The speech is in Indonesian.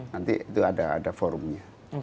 nanti itu ada forumnya